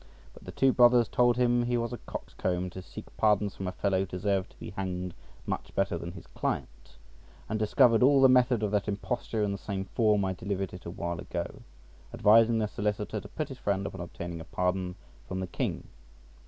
But the two brothers told him he was a coxcomb to seek pardons from a fellow who deserved to be hanged much better than his client, and discovered all the method of that imposture in the same form I delivered it a while ago, advising the solicitor to put his friend upon obtaining a pardon from the king.